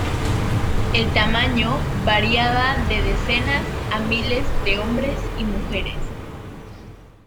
El tamaño variaba de decenas a miles de hombres y mujeres.